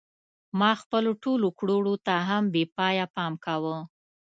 ما خپلو ټولو کړو وړو ته هم بې پایه پام کاوه.